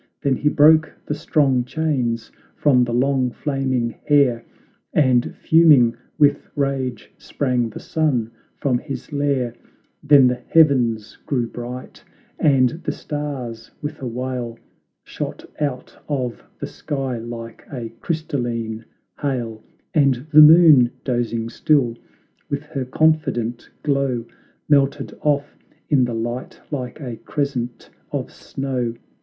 Then he broke the strong chains from the long, flaming hair, And, fuming with rage, sprang the sun from his lair: Then the heavens grew bright, and the stars with a wail Shot out of the sky like a crystaline hail: And the Moon, dozing still, with her confident glow, Melted off in the light like a crescent of snow!